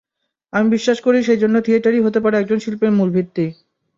আমি বিশ্বাস করি, সেই জন্য থিয়েটারই হতে পারে একজন শিল্পীর ভিত্তিমূল।